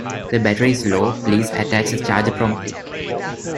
The battery is low, please attach the charger promptly.